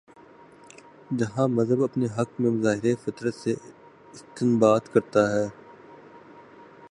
جہاں مذہب اپنے حق میں مظاہر فطرت سے استنباط کر تا ہے۔